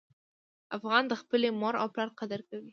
افغان د خپلې مور او پلار قدر کوي.